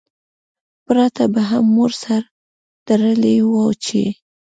پرتا به هم مور سر تړلی وو چی